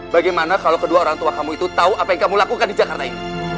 bagaimana kalau kedua orang tua kamu itu tahu apa yang kamu lakukan di jakarta ini